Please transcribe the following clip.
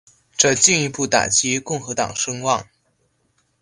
这进一步打击共和党声望。